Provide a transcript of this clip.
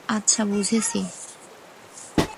আচ্ছা, বুঝেছি।